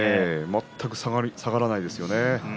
全く下がらないですよね。